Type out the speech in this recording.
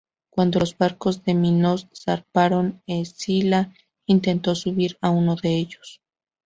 Cuando los barcos de Minos zarparon Escila intentó subir a uno de ellos.